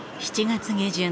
７月下旬